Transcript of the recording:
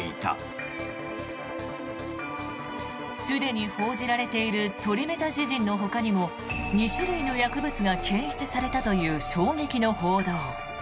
すでに報じられているトリメタジジンのほかにも２種類の薬物が検出されたという衝撃の報道。